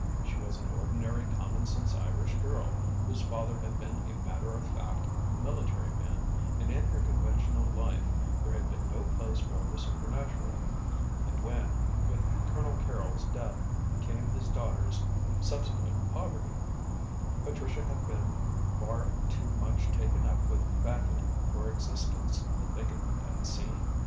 She was an ordinary commonsense Irish girl, whose father had been a matter of fact military man, and in her conventional life there had been no place for the supernatural. And when, with Colonel Carrol's death, came his daughter's subsequent poverty, Patricia had been far too much taken up with battling for existence to think of the Unseen.